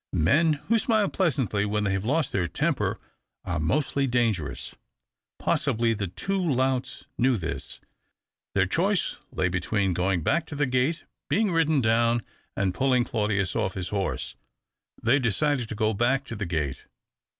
Men who smile pleasantly when they have lost their temper are mostly dangerous. Possibly the two louts knew this. Their choice lay between going back to the gate, being ridden down, and pulling Claudius off THE OCTAVE OF CLAUDIUS. 223 lis liorse ; they decided to go back to the yate.